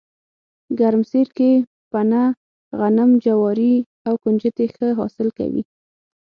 ګرمسیر کې پنه، غنم، جواري او ُکنجدي ښه حاصل کوي